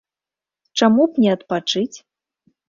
Чаму б не адпачыць?